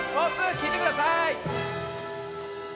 きいてください！